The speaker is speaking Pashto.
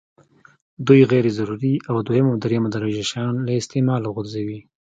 دوی غیر ضروري او دویمه او درېمه درجه شیان له استعماله غورځوي.